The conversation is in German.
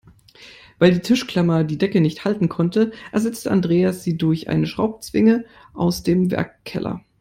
Weil die Tischklammer die Decke nicht halten konnte, ersetzte Andreas sie durch eine Schraubzwinge aus dem Werkkeller.